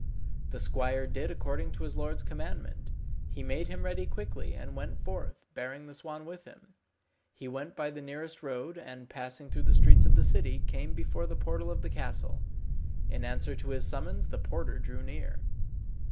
The squire did according to his lord's commandment. He made him ready quickly, and went forth, bearing the swan with him. He went by the nearest road, and passing through the streets of the city, came before the portal of the castle. In answer to his summons the porter drew near.